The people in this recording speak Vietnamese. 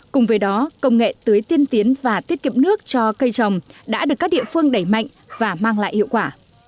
cùng với đó công nghệ tưới tiên tiến và tiết kiệm nước cho cây trồng đã được các địa phương đẩy mạnh và mang lại hiệu quả